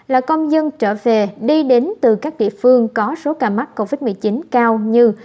là công dân trở về đi đến từ các địa phương có số ca mắc covid một mươi chín cao như